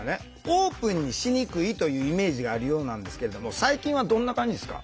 オープンにしにくいというイメージがあるようなんですけれども最近はどんな感じですか？